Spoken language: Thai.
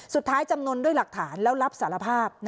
จำนวนด้วยหลักฐานแล้วรับสารภาพ